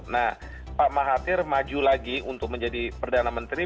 nah pak mahathir maju lagi untuk menjadi perdana menteri